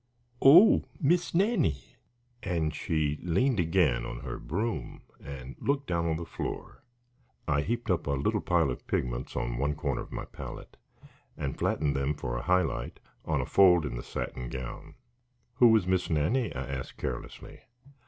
"Oh, Miss Nannie." And she leaned again on her broom and looked down on the floor. I heaped up a little pile of pigments on one corner of my palette and flattened them for a high light on a fold in the satin gown. "Who was Miss Nannie?" I asked carelessly.